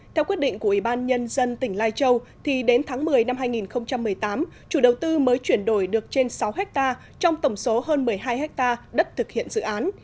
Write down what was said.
theo quyết định của ủy ban nhân dân tỉnh lai châu thì đến tháng một mươi năm hai nghìn một mươi tám chủ đầu tư mới chuyển đổi được trên sáu hectare trong tổng số hơn một mươi hai ha đất thực hiện dự án